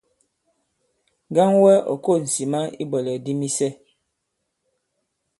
Ŋgaŋ wɛ ɔ̀ ko᷇s ŋsìma i ibwɛ̀lɛ̀k di misɛ.